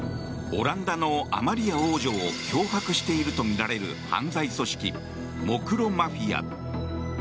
オランダのアマリア王女を脅迫しているとみられる犯罪組織、モクロ・マフィア。